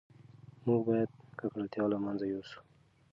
موږ باید ککړتیا له منځه یوسو.